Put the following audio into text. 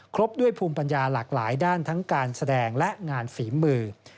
ครบด้วยภูมิปัญญาหลากหลายด้านทั้งการแสดงและงานฝีมือ